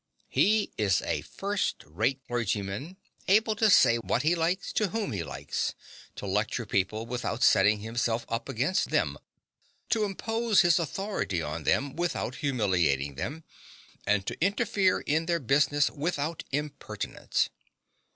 He is a first rate clergyman, able to say what he likes to whom he likes, to lecture people without setting himself up against them, to impose his authority on them without humiliating them, and to interfere in their business without impertinence.